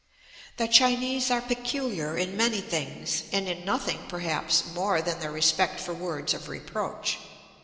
The Chinese are peculiar in many things, and in nothing, perhaps, more than their respect for words of reproach.